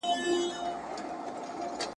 زه کولای سم چپنه پاک کړم!.